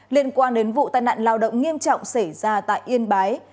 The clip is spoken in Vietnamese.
liên quan đến vụ tai nạn lao động nghiêm trọng xảy ra tại yên bái